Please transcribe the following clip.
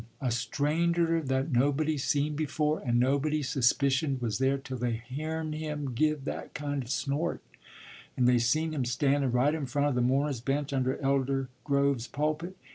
A stranger that nobody seen before, and nobody suspicioned was there till they hearn him give that kind of snort, and they seen him standun' right in front of the mourners' bench under Elder Grove's pulpit.